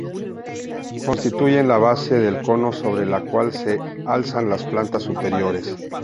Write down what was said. Constituyen la base del cono sobre la cual se alzan las plantas superiores.